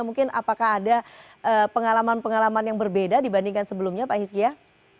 mungkin apakah ada pengalaman pengalaman yang berbeda dibandingkan sebelumnya pak hiskia